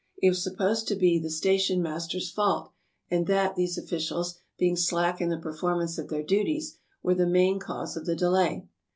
It was supposed to De the station master's fault, and that these officials, being slack in the performance of their duty, were the main cause of the delay.